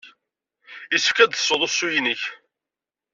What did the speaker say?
Yessefk ad d-tessud usu-nnek.